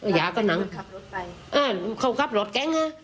หญ้าก็หนัง